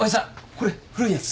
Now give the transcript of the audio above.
これ古いやつ。